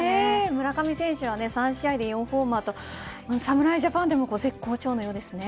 村上選手は３試合で４ホーマーと侍ジャパンでも絶好調のようですね。